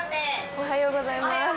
おはようございます。